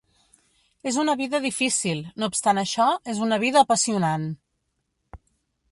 És una vida difícil, no obstant això, és una vida apassionant.